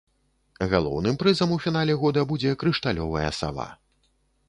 Галоўным прызам у фінале года будзе крышталёвая сава.